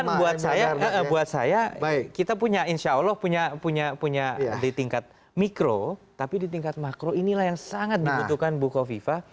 bukan buat saya kita punya insya allah punya di tingkat mikro tapi di tingkat makro inilah yang sangat dibutuhkan bukoviva